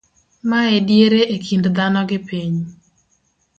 ma ediere e kind dhano gi piny